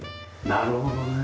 なるほどね。